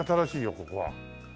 ここは。